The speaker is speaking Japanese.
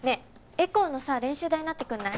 エコーのさ練習台になってくれない？